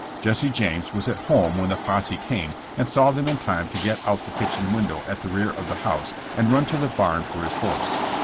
Jesse James was at home when the posse came, and saw them in time to get out the kitchen window at the rear of the house and run to the barn for his horse.